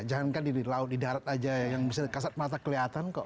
jangankan di laut di darat aja yang bisa kasat mata kelihatan kok